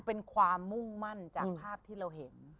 เป็นความมุ่งมั่นจากภาพที่เราเห็น